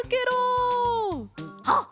あっ！